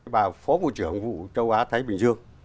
bà phó bộ trưởng hữu châu á thái bình dương